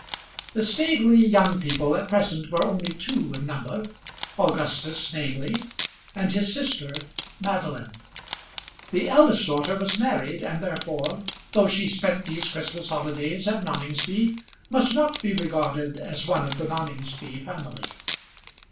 The Staveley young people at present were only two in number, Augustus, namely, and his sister Madeline. The eldest daughter was married, and therefore, though she spent these Christmas holidays at Noningsby, must not be regarded as one of the Noningsby family.